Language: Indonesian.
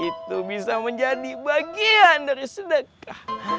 itu bisa menjadi bagian dari sedekah